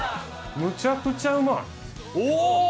むちゃくちゃうまいおお！